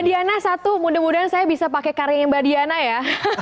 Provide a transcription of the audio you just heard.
mbak diana satu mudah mudahan saya bisa pakai karing yang mbak diana ya